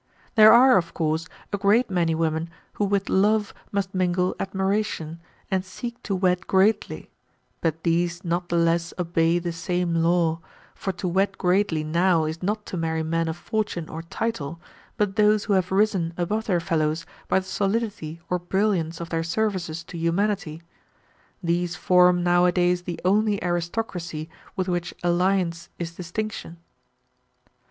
There are, of course, a great many women who with love must mingle admiration, and seek to wed greatly, but these not the less obey the same law, for to wed greatly now is not to marry men of fortune or title, but those who have risen above their fellows by the solidity or brilliance of their services to humanity. These form nowadays the only aristocracy with which alliance is distinction.